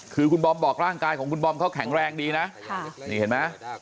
คือคุณบอมบอกร่างกายของคุณบอมเขาแข็งแรงดีนะนี่เห็นไหม